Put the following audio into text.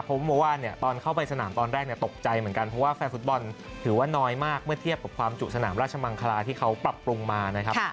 เพราะว่าเนี่ยตอนเข้าไปสนามตอนแรกเนี่ยตกใจเหมือนกันเพราะว่าแฟนฟุตบอลถือว่าน้อยมากเมื่อเทียบกับความจุสนามราชมังคลาที่เขาปรับปรุงมานะครับ